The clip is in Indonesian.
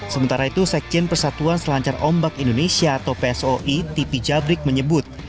sementara itu sekjen persatuan selancar ombak indonesia atau psoi tipi jabrik menyebut